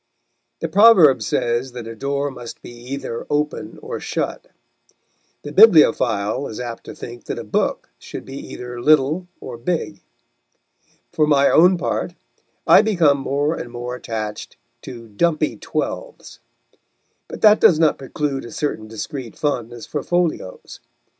The proverb says that a door must be either open or shut. The bibliophile is apt to think that a book should be either little or big. For my own part, I become more and more attached to "dumpy twelves"; but that does not preclude a certain discreet fondness for folios.